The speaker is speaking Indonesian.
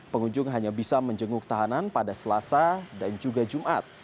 pengunjung hanya bisa menjenguk tahanan pada selasa dan juga jumat